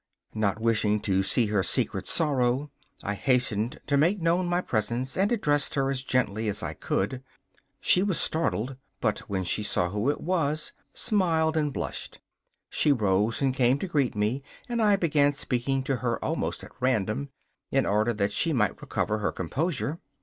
Not wishing to see her secret sorrow, I hastened to make known my presence, and addressed her as gently as I could. She was startled, but when she saw who it was, smiled and blushed. She rose and came to greet me, and I began speaking to her almost at random, in order that she might recover her composure.